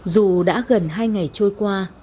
dù đã gần hai ngày trôi qua